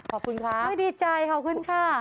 ขอบคุณค่ะดีใจขอบคุณค่ะ